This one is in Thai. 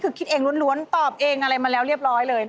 คือคิดเองล้วนตอบเองอะไรมาแล้วเรียบร้อยเลย